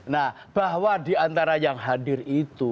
nah bahwa diantara yang hadir itu